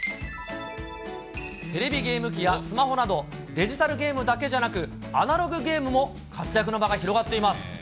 テレビゲーム機やスマホなど、デジタルゲームだけじゃなく、アナログゲームも活躍の場が広がっています。